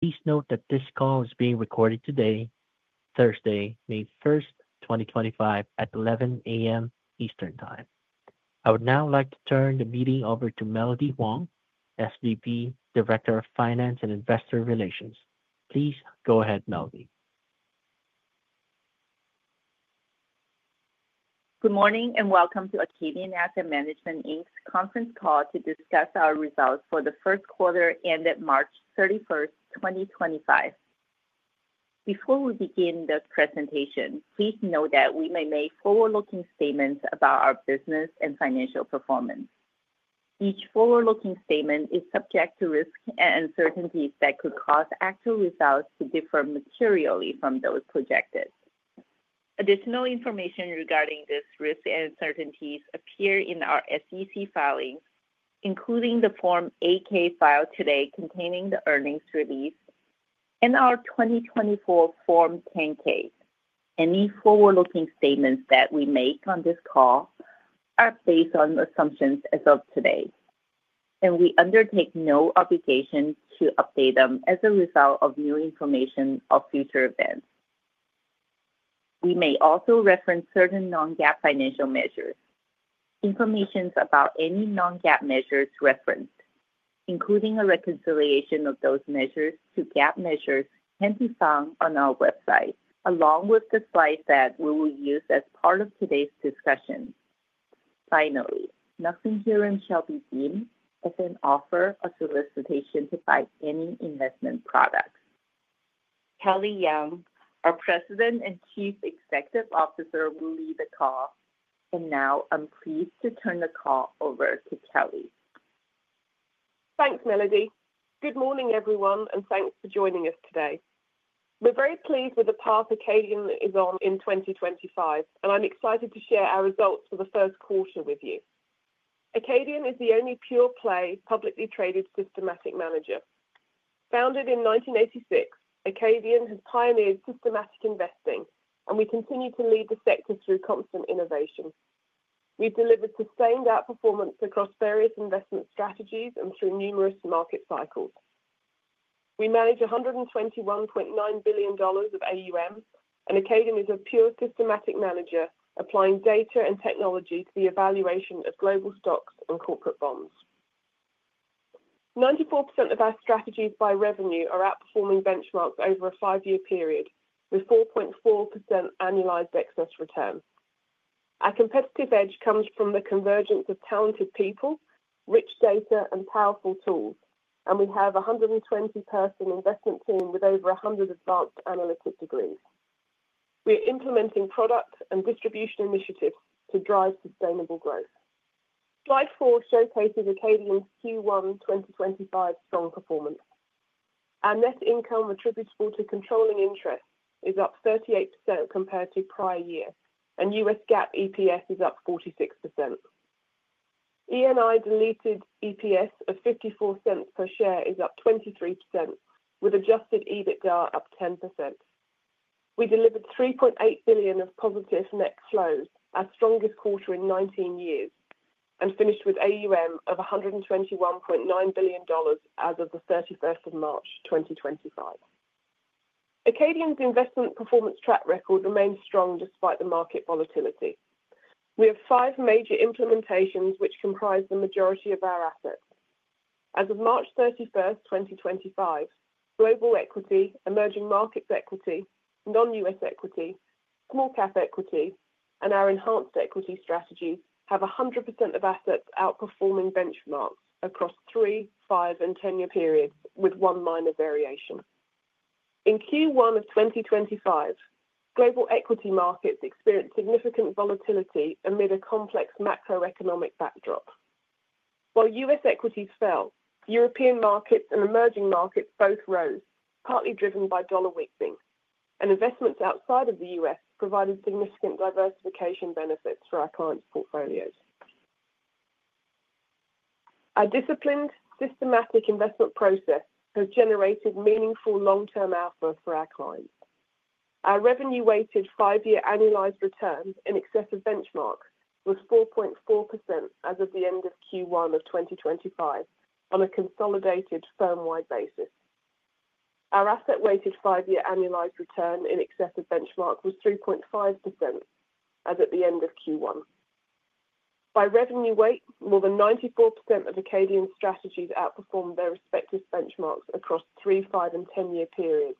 Please note that this call is being recorded today, Thursday, May 1, 2025, at 11:00 a.m. Eastern Time. I would now like to turn the meeting over to Melody Huang, SVP, Director of Finance and Investor Relations. Please go ahead, Melody. Good morning and welcome to Acadian Asset Management's conference call to discuss our results for the first quarter ended March 31, 2025. Before we begin the presentation, please note that we may make forward-looking statements about our business and financial performance. Each forward-looking statement is subject to risks and uncertainties that could cause actual results to differ materially from those projected. Additional information regarding these risks and uncertainties appears in our SEC filings, including the Form 8-K filed today containing the earnings release and our 2024 Form 10-K. Any forward-looking statements that we make on this call are based on assumptions as of today, and we undertake no obligation to update them as a result of new information or future events. We may also reference certain non-GAAP financial measures. Information about any non-GAAP measures referenced, including a reconciliation of those measures to GAAP measures, can be found on our website, along with the slides that we will use as part of today's discussion. Finally, nothing here shall be deemed as an offer or solicitation to buy any investment products. Kelly Young, our President and Chief Executive Officer, will lead the call. I am pleased to turn the call over to Kelly. Thanks, Melody. Good morning, everyone, and thanks for joining us today. We're very pleased with the path Acadian is on in 2025, and I'm excited to share our results for the first quarter with you. Acadian is the only pure-play publicly traded systematic manager. Founded in 1986, Acadian has pioneered systematic investing, and we continue to lead the sector through constant innovation. We've delivered sustained outperformance across various investment strategies and through numerous market cycles. We manage $121.9 billion of AUM, and Acadian is a pure-systematic manager applying data and technology to the evaluation of global stocks and corporate bonds. 94% of our strategies by revenue are outperforming benchmarks over a five-year period, with 4.4% annualized excess return. Our competitive edge comes from the convergence of talented people, rich data, and powerful tools, and we have a 120-person investment team with over 100 advanced analytics degrees. We are implementing product and distribution initiatives to drive sustainable growth. Slide 4 showcases Acadian's Q1 2025 strong performance. Our net income attributable to controlling interest is up 38% compared to prior year, and US GAAP EPS is up 46%. E&I deleted EPS of $0.54 per share is up 23%, with adjusted EBITDA up 10%. We delivered $3.8 billion of positive net flows, our strongest quarter in 19 years, and finished with AUM of $121.9 billion as of March 31, 2025. Acadian's investment performance track record remains strong despite the market volatility. We have five major implementations which comprise the majority of our assets. As of March 31, 2025, global equity, emerging markets equity, non-US equity, small-cap equity, and our enhanced equity strategy have 100% of assets outperforming benchmarks across three, five, and ten-year periods with one minor variation. In Q1 of 2025, global equity markets experienced significant volatility amid a complex macroeconomic backdrop. While US equities fell, European markets and emerging markets both rose, partly driven by dollar weakening, and investments outside of the US provided significant diversification benefits for our clients' portfolios. Our disciplined, systematic investment process has generated meaningful long-term output for our clients. Our revenue-weighted five-year annualized return in excess of benchmarks was 4.4% as of the end of Q1 of 2025 on a consolidated firm-wide basis. Our asset-weighted five-year annualized return in excess of benchmarks was 3.5% as of the end of Q1. By revenue weight, more than 94% of Acadian's strategies outperformed their respective benchmarks across three, five, and ten-year periods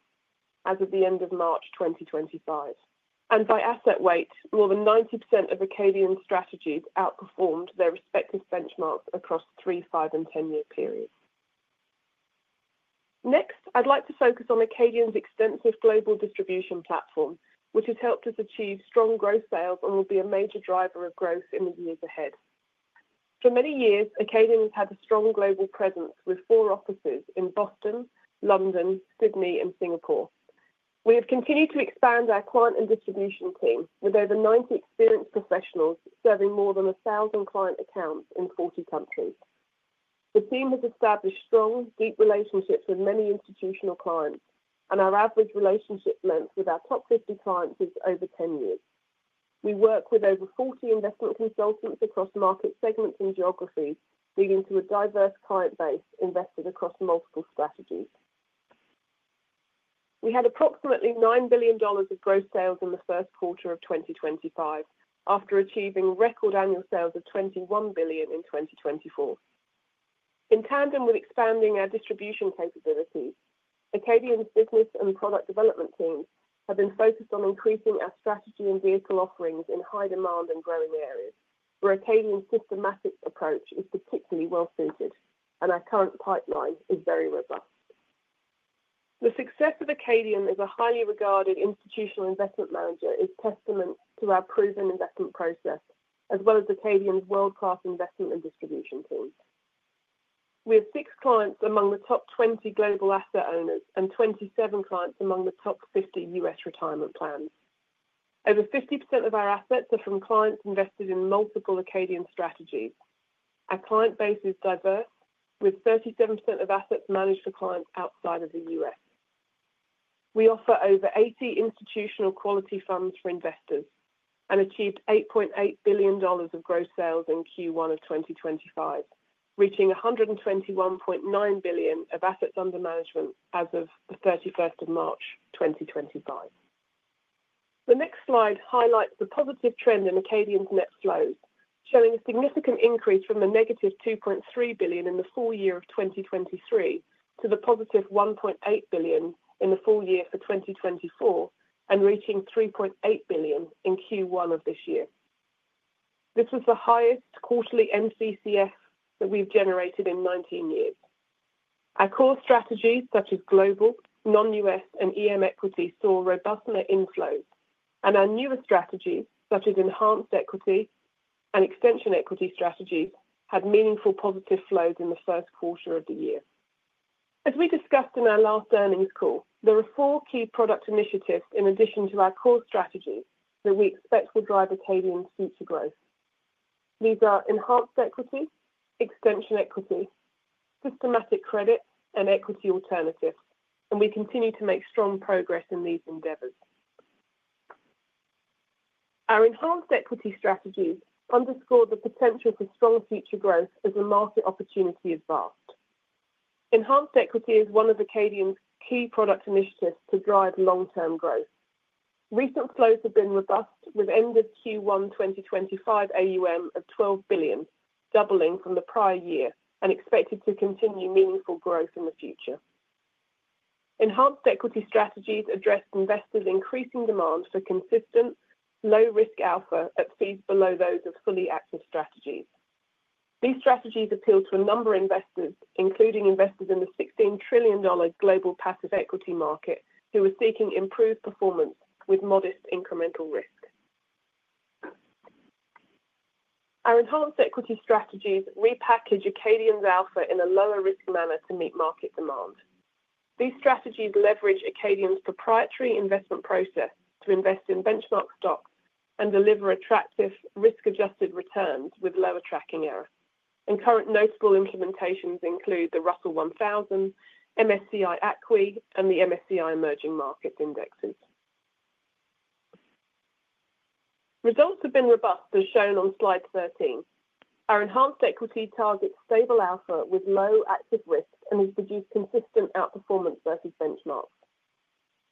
as of the end of March 2025. By asset weight, more than 90% of Acadian's strategies outperformed their respective benchmarks across three, five, and ten-year periods. Next, I'd like to focus on Acadian's extensive global distribution platform, which has helped us achieve strong gross sales and will be a major driver of growth in the years ahead. For many years, Acadian has had a strong global presence with four offices in Boston, London, Sydney, and Singapore. We have continued to expand our client and distribution team with over 90 experienced professionals serving more than 1,000 client accounts in 40 countries. The team has established strong, deep relationships with many institutional clients, and our average relationship length with our top 50 clients is over 10 years. We work with over 40 investment consultants across market segments and geographies, leading to a diverse client base invested across multiple strategies. We had approximately $9 billion of gross sales in the first quarter of 2025, after achieving record annual sales of $21 billion in 2024. In tandem with expanding our distribution capabilities, Acadian's business and product development teams have been focused on increasing our strategy and vehicle offerings in high-demand and growing areas, where Acadian's systematic approach is particularly well-suited, and our current pipeline is very robust. The success of Acadian as a highly regarded institutional investment manager is testament to our proven investment process, as well as Acadian's world-class investment and distribution teams. We have six clients among the top 20 global asset owners and 27 clients among the top 50 US retirement plans. Over 50% of our assets are from clients invested in multiple Acadian strategies. Our client base is diverse, with 37% of assets managed for clients outside of the US. We offer over 80 institutional quality funds for investors and achieved $8.8 billion of gross sales in Q1 of 2025, reaching $121.9 billion of assets under management as of March 31, 2025. The next slide highlights the positive trend in Acadian's net flows, showing a significant increase from the negative $2.3 billion in the full-year of 2023 to the positive $1.8 billion in the full-year for 2024, and reaching $3.8 billion in Q1 of this year. This was the highest quarterly MCCF that we've generated in 19 years. Our core strategies, such as global, non-US, and EM equities, saw robust net inflows, and our newer strategies, such as enhanced equity and extension equity strategies, had meaningful positive flows in the first quarter of the year. As we discussed in our last earnings call, there are four key product initiatives in addition to our core strategies that we expect will drive Acadian's future growth. These are enhanced equity, extension equity, systematic credit, and equity alternatives, and we continue to make strong progress in these endeavors. Our enhanced equity strategies underscore the potential for strong future growth as the market opportunity is vast. Enhanced equity is one of Acadian's key product initiatives to drive long-term growth. Recent flows have been robust, with end-of-Q1 2025 AUM of $12 billion doubling from the prior year and expected to continue meaningful growth in the future. Enhanced equity strategies address investors' increasing demand for consistent, low-risk alpha at fees below those of fully active strategies. These strategies appeal to a number of investors, including investors in the $16 trillion global passive equity market who are seeking improved performance with modest incremental risk. Our enhanced equity strategies repackage Acadian's alpha in a lower-risk manner to meet market demand. These strategies leverage Acadian's proprietary investment process to invest in benchmark stocks and deliver attractive risk-adjusted returns with lower tracking error. Current notable implementations include the Russell 1000, MSCI ACWI, and the MSCI Emerging Markets Indexes. Results have been robust, as shown on slide 13. Our enhanced equity targets stable alpha with low active risk and has produced consistent outperformance versus benchmarks.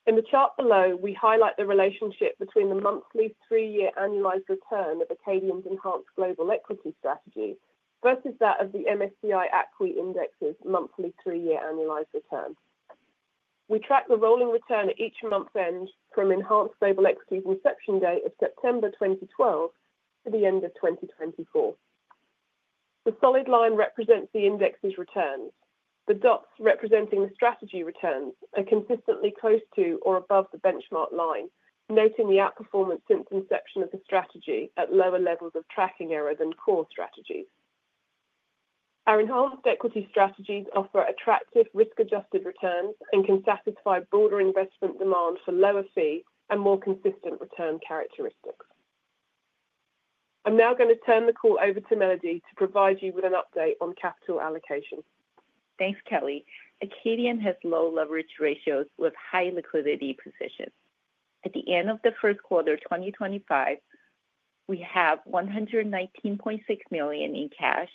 In the chart below, we highlight the relationship between the monthly three-year annualized return of Acadian's enhanced global equity strategy versus that of the MSCI ACWI index's monthly three-year annualized return. We track the rolling return at each month's end from Enhanced Global Equity's inception date of September 2012 to the end of 2024. The solid line represents the index's returns. The dots representing the strategy returns are consistently close to or above the benchmark line, noting the outperformance since inception of the strategy at lower levels of tracking error than core strategies. Our Enhanced Equity strategies offer attractive risk-adjusted returns and can satisfy broader investment demand for lower fee and more consistent return characteristics. I'm now going to turn the call over to Melody to provide you with an update on capital allocation. Thanks, Kelly. Acadian has low leverage ratios with high liquidity positions. At the end of the first quarter of 2025, we have $119.6 million in cash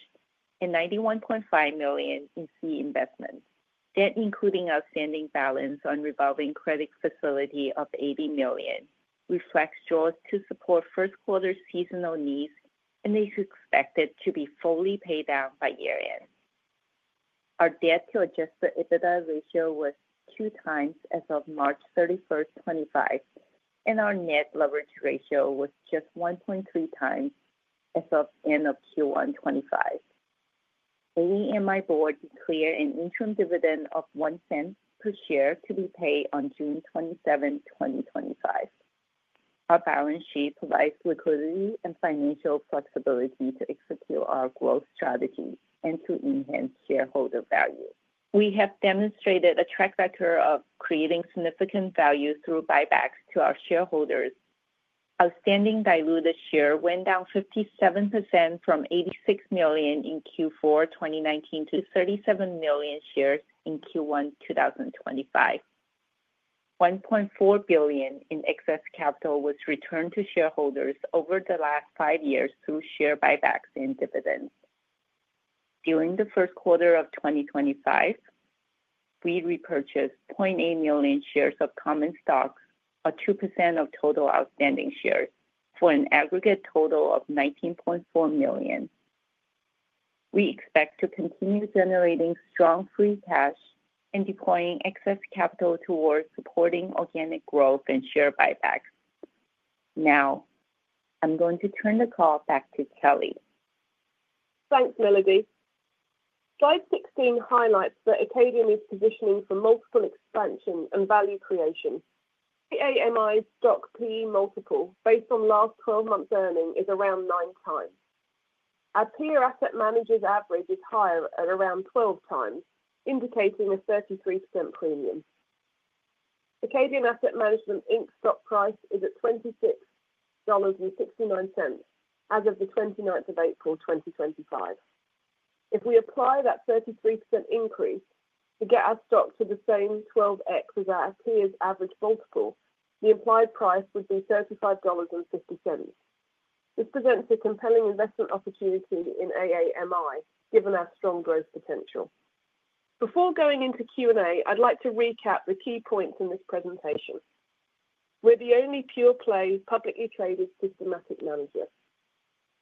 and $91.5 million in key investments. Debt, including outstanding balance on revolving credit facility of $80 million reflects draws to support first quarter seasonal needs, and it is expected to be fully paid down by year-end. Our debt-to-adjusted EBITDA ratio was two times as of March 31, 2025, and our net leverage ratio was just 1.3 times as of end of Q1, 2025. Kelly and my board declare an interim dividend of $0.01 per share to be paid on June 27, 2025. Our balance sheet provides liquidity and financial flexibility to execute our growth strategy and to enhance shareholder value. We have demonstrated a track record of creating significant value through buybacks to our shareholders. Outstanding diluted share went down 57% from $86 million in Q4 2019 to $37 million shares in Q1 2025. $1.4 billion in excess capital was returned to shareholders over the last five years through share buybacks and dividends. During the first quarter of 2025, we repurchased $0.8 million shares of common stocks, a 2% of total outstanding shares, for an aggregate total of $19.4 million. We expect to continue generating strong free cash and deploying excess capital towards supporting organic growth and share buybacks. Now, I'm going to turn the call back to Kelly. Thanks, Melody. Slide 16 highlights that Acadian is positioning for multiple expansion and value creation. PAMI's stock P/E multiple, based on last 12 months' earnings, is around 9 times. Our peer asset managers' average is higher at around 12 times, indicating a 33% premium. Acadian Asset Management stock price is at $26.69 as of April 29, 2025. If we apply that 33% increase to get our stock to the same 12X as our peers' average multiple, the implied price would be $35.50. This presents a compelling investment opportunity in AAMI, given our strong growth potential. Before going into Q&A, I'd like to recap the key points in this presentation. We're the only pure-play publicly traded systematic manager.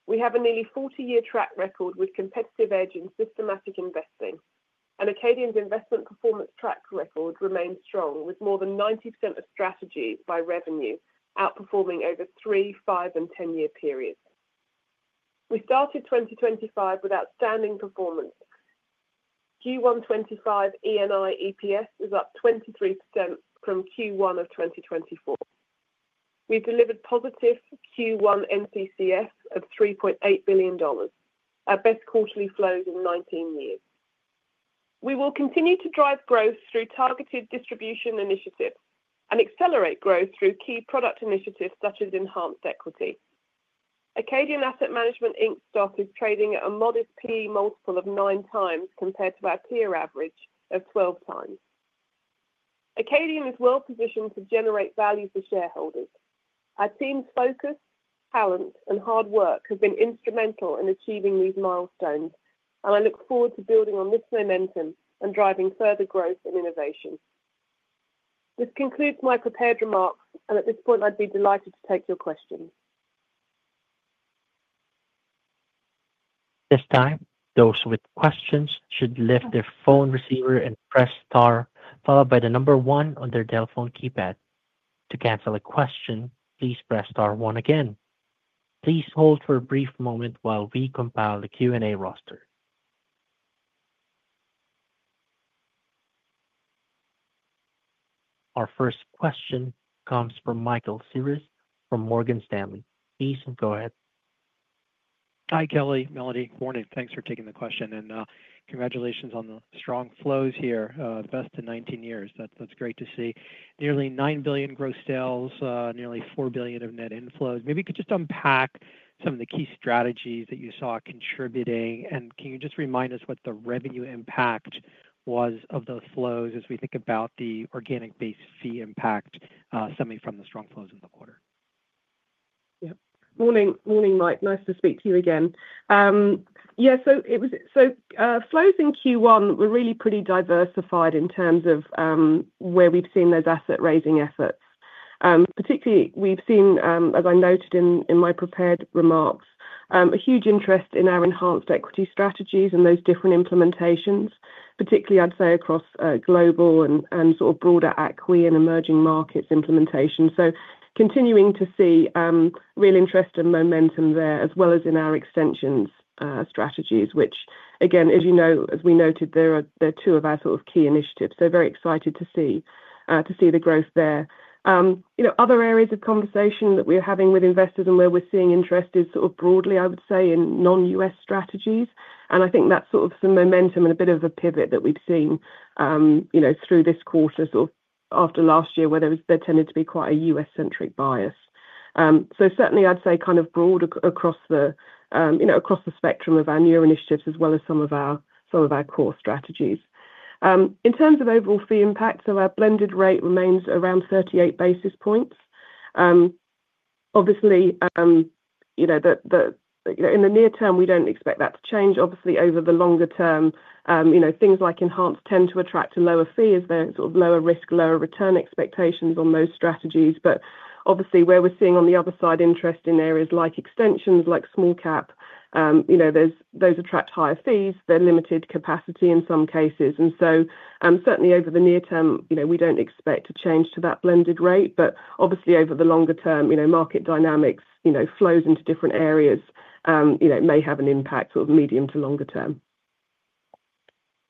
We have a nearly 40-year track record with competitive edge in systematic investing, and Acadian's investment performance track record remains strong, with more than 90% of strategies by revenue outperforming over three, five, and ten-year periods. We started 2025 with outstanding performance. Q1 2025 ENI EPS is up 23% from Q1 of 2024. We've delivered positive Q1 MCCF of $3.8 billion, our best quarterly flows in 19 years. We will continue to drive growth through targeted distribution initiatives and accelerate growth through key product initiatives such as enhanced equity. Acadian Asset Management stock is trading at a modest PE multiple of 9 times compared to our peer average of 12 times. Acadian is well-positioned to generate value for shareholders. Our team's focus, talent, and hard work have been instrumental in achieving these milestones, and I look forward to building on this momentum and driving further growth and innovation. This concludes my prepared remarks, and at this point, I'd be delighted to take your questions. At this time, those with questions should lift their phone receiver and press star, followed by the number one on their Dell phone keypad. To cancel a question, please press star one again. Please hold for a brief moment while we compile the Q&A roster. Our first question comes from Michael Sears from Morgan Stanley. Please go ahead. Hi, Kelly. Melody, good morning. Thanks for taking the question, and congratulations on the strong flows here, the best in 19 years. That's great to see. Nearly $9 billion gross sales, nearly $4 billion of net inflows. Maybe you could just unpack some of the key strategies that you saw contributing, and can you just remind us what the revenue impact was of those flows as we think about the organic-based fee impact stemming from the strong flows in the quarter? Yeah. Morning, Mike. Nice to speak to you again. Yeah, flows in Q1 were really pretty diversified in terms of where we've seen those asset raising efforts. Particularly, we've seen, as I noted in my prepared remarks, a huge interest in our enhanced equity strategies and those different implementations, particularly, I'd say, across global and sort of broader ACWI and emerging markets implementation. Continuing to see real interest and momentum there, as well as in our extensions strategies, which, again, as you know, as we noted, they're two of our sort of key initiatives. Very excited to see the growth there. Other areas of conversation that we're having with investors and where we're seeing interest is sort of broadly, I would say, in non-U.S. strategies. I think that's sort of some momentum and a bit of a pivot that we've seen through this quarter, sort of after last year, where there tended to be quite a US-centric bias. Certainly, I'd say kind of broad across the spectrum of our newer initiatives, as well as some of our core strategies. In terms of overall fee impact, our blended rate remains around 38 basis points. Obviously, in the near term, we don't expect that to change. Obviously, over the longer term, things like enhanced tend to attract a lower fee as they're sort of lower risk, lower return expectations on those strategies. Obviously, where we're seeing on the other side interest in areas like extensions, like small-cap, those attract higher fees. They're limited capacity in some cases. Certainly, over the near term, we do not expect a change to that blended rate. Obviously, over the longer term, market dynamics, flows into different areas, may have an impact sort of medium- to longer-term.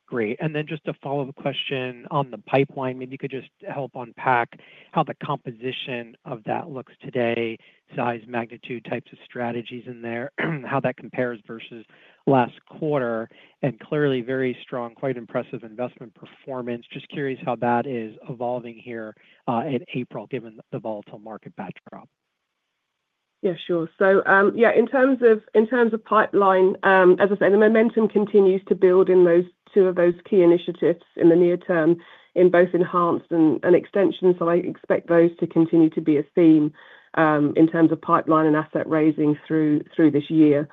Great. Just a follow-up question on the pipeline. Maybe you could just help unpack how the composition of that looks today, size, magnitude, types of strategies in there, how that compares versus last quarter. Clearly, very strong, quite impressive investment performance. Just curious how that is evolving here in April, given the volatile market backdrop. Yeah, sure. Yeah, in terms of pipeline, as I say, the momentum continues to build in those two of those key initiatives in the near term in both enhanced and extensions. I expect those to continue to be a theme in terms of pipeline and asset raising through this year.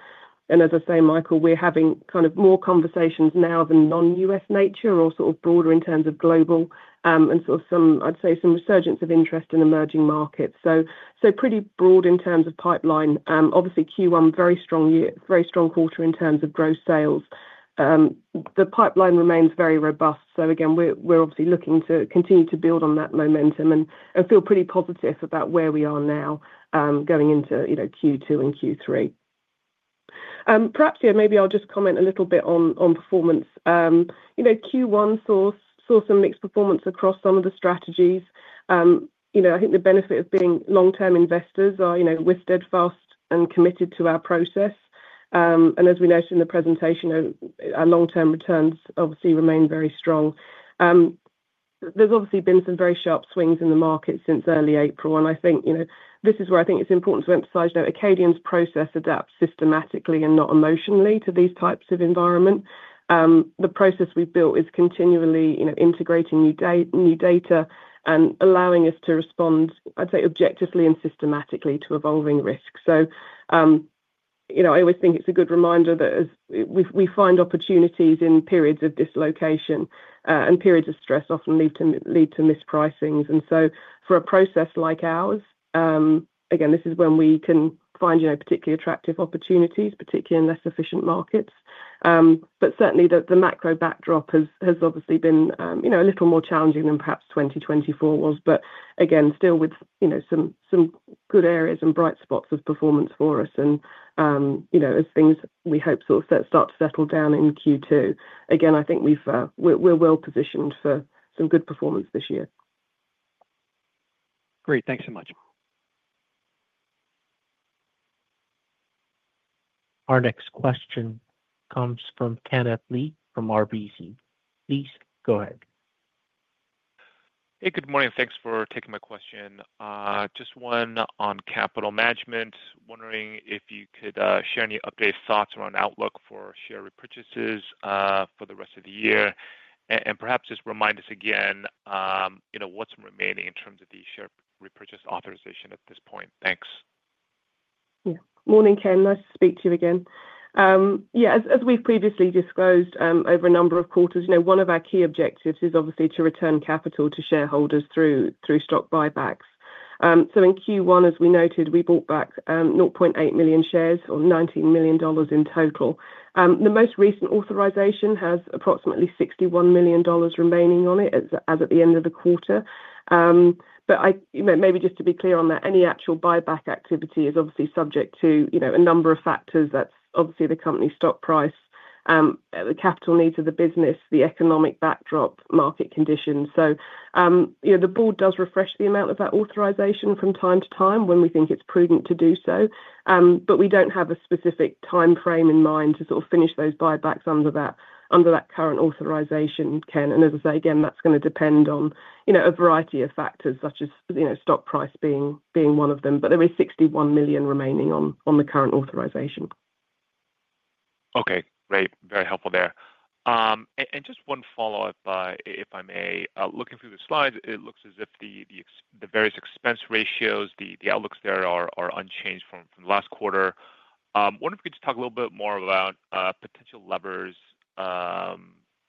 As I say, Michael, we're having kind of more conversations now than non-U.S. nature or sort of broader in terms of global and sort of some, I'd say, some resurgence of interest in emerging markets. Pretty broad in terms of pipeline. Obviously, Q1, very strong quarter in terms of gross sales. The pipeline remains very robust. Again, we're obviously looking to continue to build on that momentum and feel pretty positive about where we are now going into Q2 and Q3. Perhaps, yeah, maybe I'll just comment a little bit on performance. Q1 saw some mixed performance across some of the strategies. I think the benefit of being long-term investors is we're steadfast and committed to our process. As we noted in the presentation, our long-term returns obviously remain very strong. There have been some very sharp swings in the market since early April. I think it is important to emphasize that Acadian's process adapts systematically and not emotionally to these types of environments. The process we've built is continually integrating new data and allowing us to respond, I'd say, objectively and systematically to evolving risks. I always think it's a good reminder that we find opportunities in periods of dislocation, and periods of stress often lead to mispricings. For a process like ours, this is when we can find particularly attractive opportunities, particularly in less efficient markets. Certainly, the macro backdrop has obviously been a little more challenging than perhaps 2024 was. Again, still with some good areas and bright spots of performance for us. As things, we hope, sort of start to settle down in Q2, again, I think we're well-positioned for some good performance this year. Great. Thanks so much. Our next question comes from Kenneth Lee from RBC. Please go ahead. Hey, good morning. Thanks for taking my question. Just one on capital management, wondering if you could share any updated thoughts around outlook for share repurchases for the rest of the year. Perhaps just remind us again what's remaining in terms of the share repurchase authorization at this point. Thanks. Yeah. Morning, Ken. Nice to speak to you again. Yeah, as we've previously disclosed over a number of quarters, one of our key objectives is obviously to return capital to shareholders through stock buybacks. In Q1, as we noted, we bought back 0.8 million shares or $19 million in total. The most recent authorization has approximately $61 million remaining on it as at the end of the quarter. Maybe just to be clear on that, any actual buyback activity is obviously subject to a number of factors. That's obviously the company's stock price, the capital needs of the business, the economic backdrop, market conditions. The board does refresh the amount of that authorization from time to time when we think it's prudent to do so. We do not have a specific timeframe in mind to sort of finish those buybacks under that current authorization, Ken. As I say, again, that's going to depend on a variety of factors, such as stock price being one of them. There is $61 million remaining on the current authorization. Okay. Great. Very helpful there. Just one follow-up, if I may. Looking through the slides, it looks as if the various expense ratios, the outlooks there are unchanged from last quarter. I wonder if we could just talk a little bit more about potential levers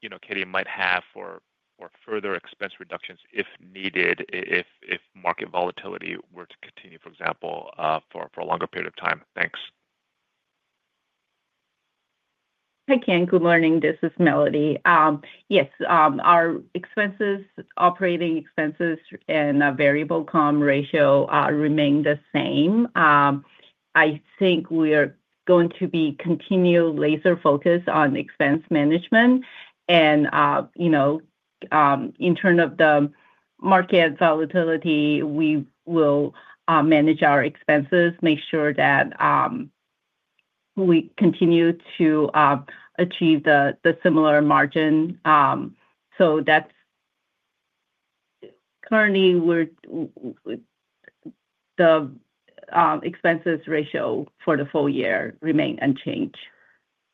Acadian might have for further expense reductions if needed, if market volatility were to continue, for example, for a longer period of time. Thanks. Hi Ken. Good morning. This is Melody. Yes, our operating expenses and variable comp ratio remain the same. I think we are going to be continue laser-focused on expense management. In terms of the market volatility, we will manage our expenses, make sure that we continue to achieve the similar margin. Currently, the expenses ratio for the full year remains unchanged.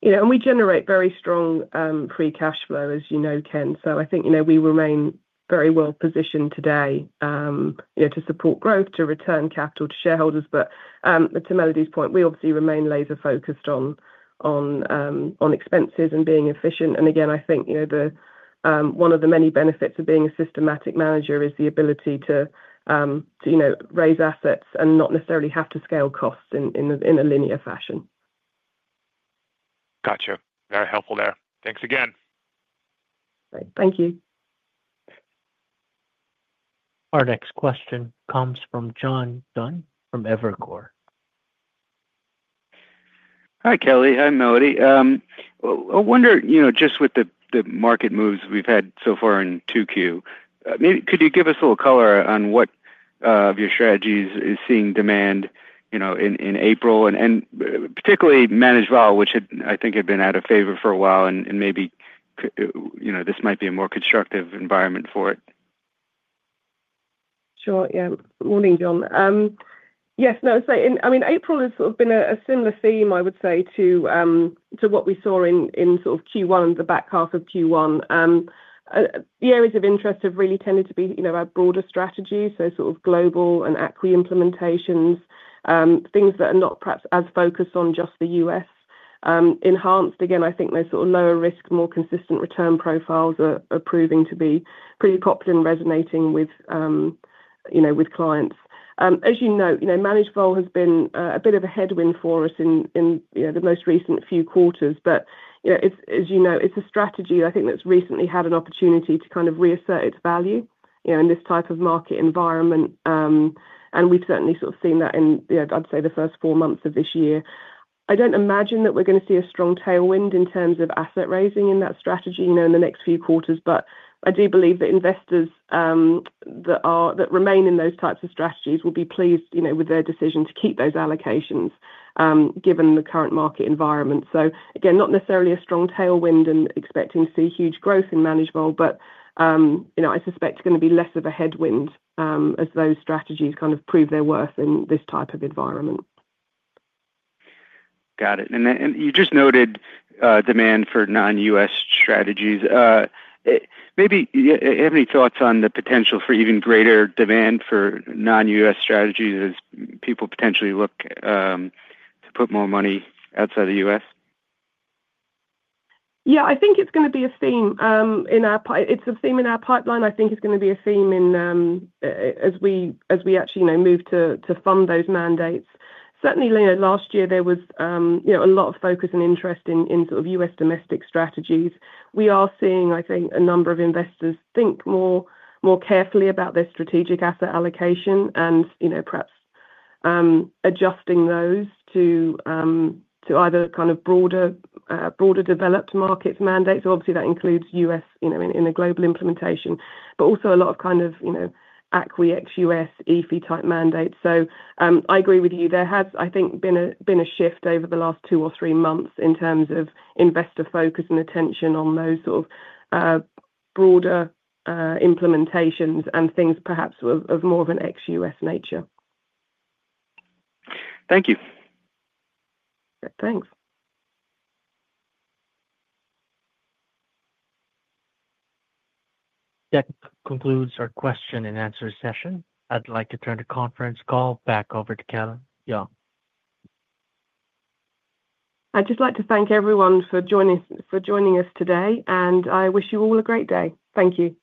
Yeah. We generate very strong free cash flow, as you know, Ken. I think we remain very well-positioned today to support growth, to return capital to shareholders. To Melody's point, we obviously remain laser-focused on expenses and being efficient. I think one of the many benefits of being a systematic manager is the ability to raise assets and not necessarily have to scale costs in a linear fashion. Gotcha. Very helpful there. Thanks again. Thank you. Our next question comes from John Dunn from Evercore. Hi, Kelly. Hi, Melody. I wonder, just with the market moves we've had so far in Q2, could you give us a little color on what of your strategies is seeing demand in April, and particularly managed vol, which I think had been out of favor for a while, and maybe this might be a more constructive environment for it? Sure. Yeah. Morning, John. Yes. No, I mean, April has sort of been a similar theme, I would say, to what we saw in sort of Q1, the back half of Q1. The areas of interest have really tended to be our broader strategy, so sort of global and ACWI implementations, things that are not perhaps as focused on just the US. Enhanced, again, I think those sort of lower-risk, more consistent return profiles are proving to be pretty popular and resonating with clients. As you know, managed vol has been a bit of a headwind for us in the most recent few quarters. As you know, it's a strategy, I think, that's recently had an opportunity to kind of reassert its value in this type of market environment. We have certainly sort of seen that in, I would say, the first four months of this year. I don't imagine that we're going to see a strong tailwind in terms of asset raising in that strategy in the next few quarters. I do believe that investors that remain in those types of strategies will be pleased with their decision to keep those allocations given the current market environment. Not necessarily a strong tailwind and expecting to see huge growth in managed vol, but I suspect it's going to be less of a headwind as those strategies kind of prove their worth in this type of environment. Got it. You just noted demand for non-US strategies. Maybe you have any thoughts on the potential for even greater demand for non-US strategies as people potentially look to put more money outside the US? Yeah. I think it's going to be a theme. It's a theme in our pipeline. I think it's going to be a theme as we actually move to fund those mandates. Certainly, last year, there was a lot of focus and interest in sort of US domestic strategies. We are seeing, I think, a number of investors think more carefully about their strategic asset allocation and perhaps adjusting those to either kind of broader developed markets mandates. Obviously, that includes US in a global implementation, but also a lot of kind of ACWI, ex-U.S. EAFE-type mandates. I agree with you. There has, I think, been a shift over the last two or three months in terms of investor focus and attention on those sort of broader implementations and things perhaps of more of an ex-U.S. nature. Thank you. Thanks. That concludes our question and answer session. I'd like to turn the conference call back over to Kelly. Y'all. I'd just like to thank everyone for joining us today. I wish you all a great day. Thank you.